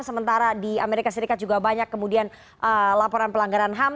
sementara di as juga banyak kemudian laporan pelanggaran ham